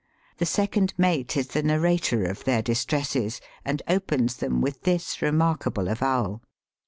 The second mate is the nar rator of their distresses, and opens them with this remarkable avowal.